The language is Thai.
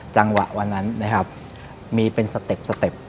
จังหวะวันนั้นมีเป็นสเต็ป